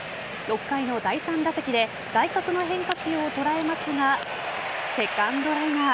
６回の第３打席で外角の変化球を捉えますがセカンドライナー。